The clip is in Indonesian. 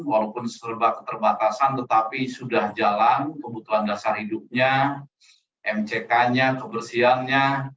walaupun serba keterbatasan tetapi sudah jalan kebutuhan dasar hidupnya mck nya kebersihannya